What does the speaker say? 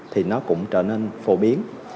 thì nó cũng trở nên phổ biến